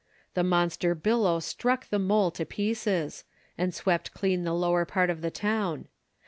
The monster billow struck the mole to pieces, and swept clean the lower part of the town.